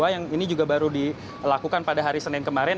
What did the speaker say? yang ini juga baru dilakukan pada hari senin kemarin